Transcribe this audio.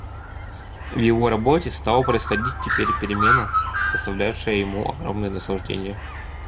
В его работе стала происходить теперь перемена, доставлявшая ему огромное наслаждение.